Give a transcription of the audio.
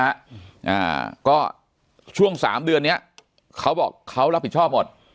อ่าก็ช่วงสามเดือนเนี้ยเขาบอกเขารับผิดชอบหมด